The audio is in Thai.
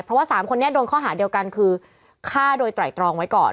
เพราะว่า๓คนนี้โดนข้อหาเดียวกันคือฆ่าโดยไตรตรองไว้ก่อน